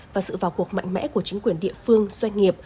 và sự vào cuộc mạnh mẽ của chính quyền địa phương doanh nghiệp